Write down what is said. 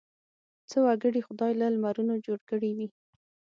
څه وګړي خدای له لمرونو جوړ کړي وي.